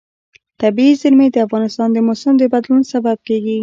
طبیعي زیرمې د افغانستان د موسم د بدلون سبب کېږي.